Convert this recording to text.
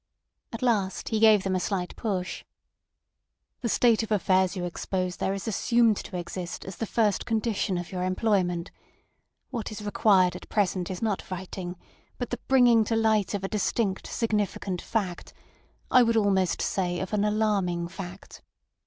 At last he gave them a slight push. "The state of affairs you expose there is assumed to exist as the first condition of your employment. What is required at present is not writing, but the bringing to light of a distinct, significant fact—I would almost say of an alarming fact."